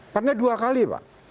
karena dua kali pak